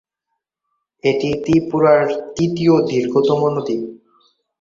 এটি ত্রিপুরার ত্রিতীয় দীর্ঘতম নদী।